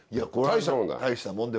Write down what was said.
大したもんだ！